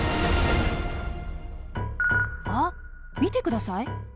あっ見て下さい。